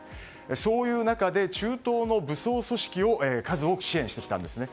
そういう中で中東の武装組織を数多く支援してきたんですね。